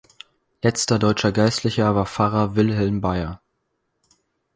Letzter deutscher Geistlicher war Pfarrer "Wilhelm Beyer".